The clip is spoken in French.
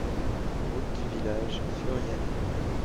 Route du village, Furiani